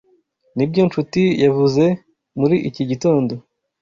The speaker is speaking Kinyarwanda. Nibyo Nshuti yavuze muri iki gitondo.